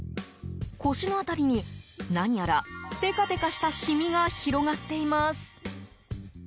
腰の辺りに何やら、テカテカしたシミが広がっています。